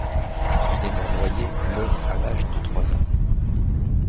Il est mort noyé le à l'âge de trois ans.